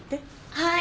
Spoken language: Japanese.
はい。